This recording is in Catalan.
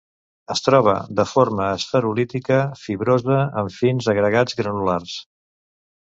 Es troba de forma esferulítica, fibrosa, en fins agregats granulars.